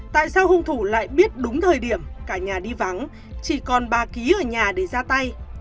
tại sao hung thủ lại biết đúng thời điểm cả nhà đi vắng chỉ còn bà ký ở nhà để ra tay